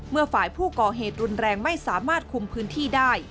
เมื่อฝ่ายผู้ก่อเหตุรุนแรงไม่สามารถคุมพื้นที่ได้